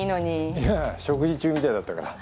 いや食事中みたいだったから。